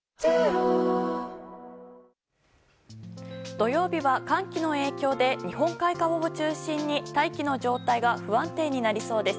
土曜日は、寒気の影響で日本海側を中心に大気の状態が不安定になりそうです。